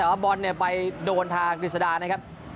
แต่ว่าบอลเนี่ยไปโดนทางกฤษดานะครับ